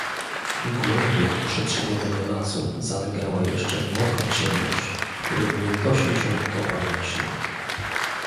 "Głębie przetrzebionego lasu zalegała jeszcze mokra ciemność, w której miętosił się opar leśny."